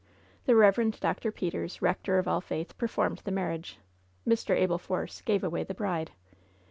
The Eev. Dr. Peters, rector of All Faith, performed the marriage. Mr. Abel Force gave away the bride.